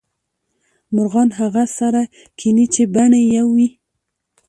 مرغان هغه سره کینې چې بڼې یو وې